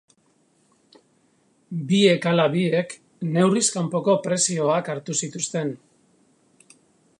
Biek ala biek neurriz kanpoko prezioak hartu zituzten.